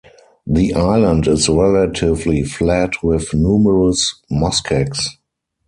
The island is relatively flat with numerous muskegs.